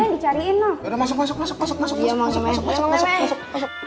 udah masuk masuk masuk